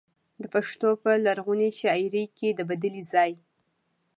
د پښتو په لرغونې شاعرۍ کې د بدلې ځای.